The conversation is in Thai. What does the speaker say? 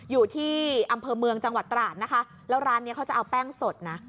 อยู่ที่อำเภอเมืองจังหวัดตราดนะคะแล้วร้านนี้เขาจะเอาแป้งสดนะ